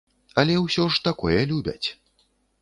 Але ўсё ж такое любяць.